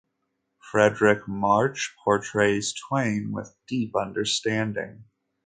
Fredric March portrays Twain with deep understanding.